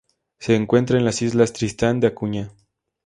Se encuentra en las islas Tristán de Acuña.